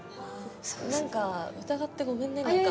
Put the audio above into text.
何か疑ってごめんね何か。